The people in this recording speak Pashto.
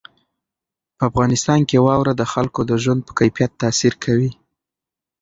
په افغانستان کې واوره د خلکو د ژوند په کیفیت تاثیر کوي.